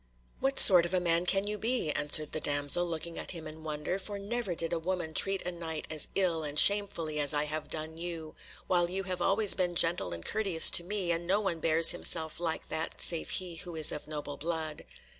"What sort of a man can you be?" answered the damsel, looking at him in wonder, "for never did a woman treat a Knight as ill and shamefully as I have done you, while you have always been gentle and courteous to me, and no one bears himself like that save he who is of noble blood."